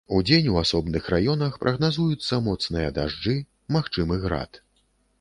Удзень у асобных раёнах прагназуюцца моцныя дажджы, магчымы град.